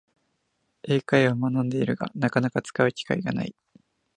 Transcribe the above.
英会話を学んでいるが、なかなか使う機会がない